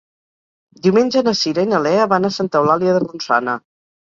Diumenge na Cira i na Lea van a Santa Eulàlia de Ronçana.